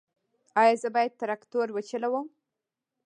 ایا زه باید تراکتور وچلوم؟